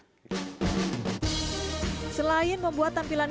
selain membuat tampilan sepeda bapak juga mencari sepeda yang lebih menarik